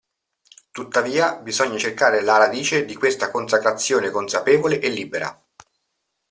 Tuttavia, bisogna cercare la radice di questa consacrazione consapevole e libera.